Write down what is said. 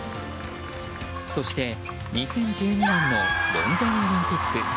そして、２０１２年のロンドンオリンピック。